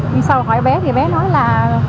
nhưng sau hỏi bé thì bé nói là